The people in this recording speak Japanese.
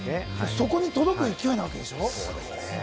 そこに届く勢いなわけでしょ？